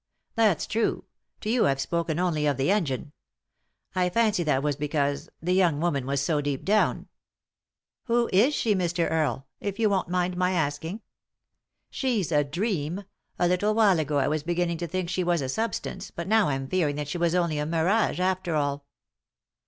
"That's true; to you I've spoken only of the engine. I fancy that was because — the young woman was so deep down." " Who is she, Mr. Earle ?— if you won't mind my asking." " She's a dream ; a little while ago I was begin ning to think she was a substance, but now I'm fearing that she was only a mirage after all."